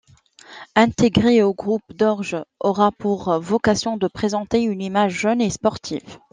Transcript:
Intégré au groupe, Dodge aura pour vocation de présenter une image jeune et sportive.